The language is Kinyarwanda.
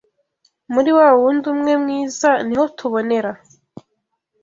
Muri wa wundi Umwe mwiza ni ho tubonera